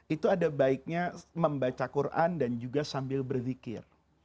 itu ada baiknya membaca quran dan juga sambil berzikir